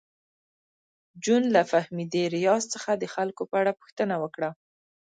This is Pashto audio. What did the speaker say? جون له فهمیدې ریاض څخه د خلکو په اړه پوښتنه وکړه